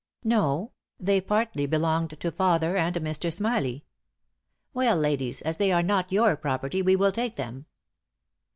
'No; they partly belonged to father and Mr. Smilie!' 'Well, ladies, as they are not your property, we will take them!'"